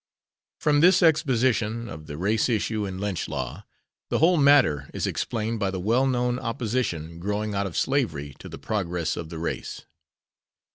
From this exposition of the race issue in lynch law, the whole matter is explained by the well known opposition growing out of slavery to the progress of the race.